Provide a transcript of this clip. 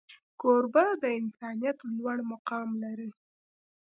کوربه د انسانیت لوړ مقام لري.